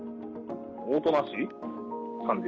おとなしい感じ。